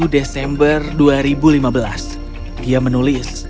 satu desember dua ribu lima belas dia menulis